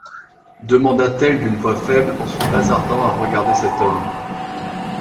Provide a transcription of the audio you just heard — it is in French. demanda-t-elle d’une voix faible en se hasardant à regarder cet homme.